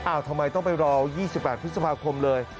ทำไมต้องไปรอ๒๘พฤษภาคมเลย